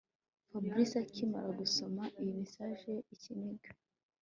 Fabric akimara gusoma iyi message ikiniga